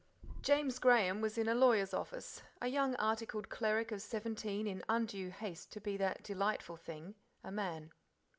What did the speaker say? James Graham was in a lawyer's office, a young articled cleric of seventeen in undue haste to be that delightful thing, a man.